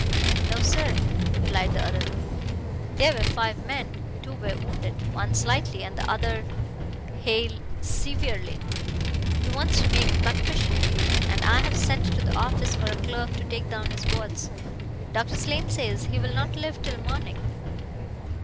"No, sir," replied the other, "there were five men. Two are wounded one slightly, and the other Hale severely. He wants to make a confession to you, and I have sent to the office for a clerk to take down his words. Dr. Slane says he will not live till morning."